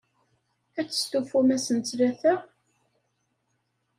Ad testufum ass n ttlata?